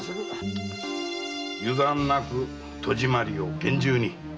油断なく戸締まりを厳重に。